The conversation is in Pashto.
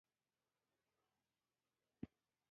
رقیب زما د خپلواکۍ د هڅو مهمه برخه ده